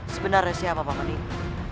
sebenarnya siapa paman ini